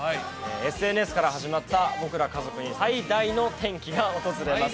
ＳＮＳから始まった僕ら家族に最大の転機が訪れます